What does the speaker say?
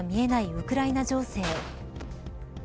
ウクライナ情勢。